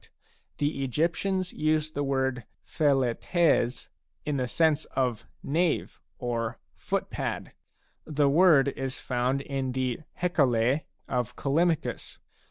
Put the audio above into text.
6 The Egyptians used the word ^^Xi/r^s in the sense of *' knave " or " foot pad." The word is found in the Hecale of Callimachus.